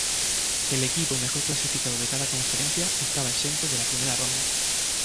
El equipo mejor clasificado de cada conferencia estaba exento de la primera ronda.